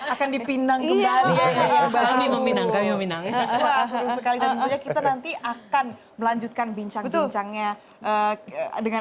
akan dipinang kembali kami meminang kita nanti akan melanjutkan bincang bincangnya dengan